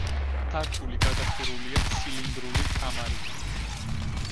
სართული გადახურულია ცილინდრული კამარით.